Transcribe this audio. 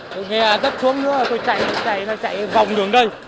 tôi nghe đất xuống nữa rồi tôi chạy chạy chạy vòng đường đây